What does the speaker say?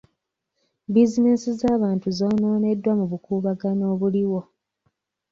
Bizinensi z'abantu zoonooneddwa mu bukuubagano obuliwo.